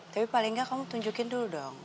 tapi paling nggak kamu tunjukin dulu dong